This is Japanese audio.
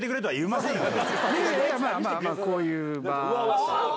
まあまあ、こういう。